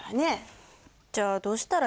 じゃあどうしたらいいんですか？